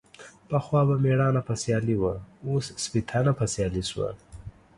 پخوا به ميړانه په سيالي وه ، اوس سپيتانه په سيالي سوه.